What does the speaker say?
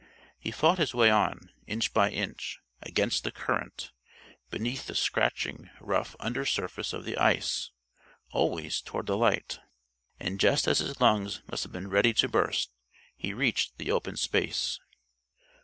He fought his way on, inch by inch, against the current, beneath the scratching rough under surface of the ice always toward the light. And just as his lungs must have been ready to burst, he reached the open space.